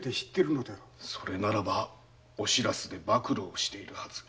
それならばお白州で暴露をしてるはず。